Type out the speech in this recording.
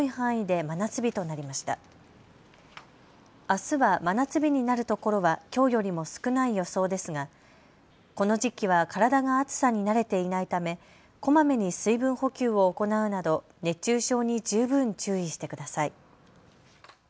あすは真夏日になるところはきょうよりも少ない予想ですがこの時期は体が暑さに慣れていないためこまめに水分補給を行うなど熱中症に十分注意してください。